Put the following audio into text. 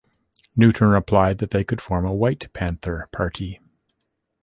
Newton replied that they could form a White Panther Party.